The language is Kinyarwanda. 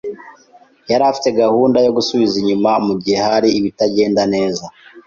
yari afite gahunda yo gusubiza inyuma mugihe hari ibitagenda neza.